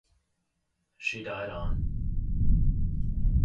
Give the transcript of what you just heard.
She died on.